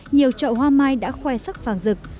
nhiều chậu hoa mai đã khoe sắc phàng dực